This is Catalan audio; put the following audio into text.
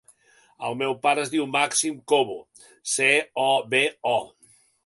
El meu pare es diu Màxim Cobo: ce, o, be, o.